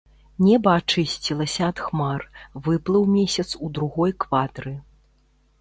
Неба ачысцілася ад хмар, выплыў месяц у другой квадры.